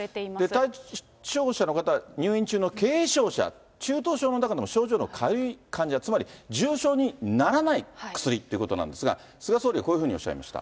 対象者の方、軽症者、中等症の中でも症状の軽い患者、つまり、重症にならない薬ってことなんですが、菅総理はこういうふうにおっしゃいました。